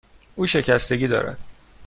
او شکستگی دارد.